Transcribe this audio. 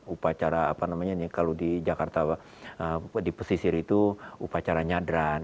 upacara apa namanya nih kalau di jakarta di pesisir itu upacara nyadran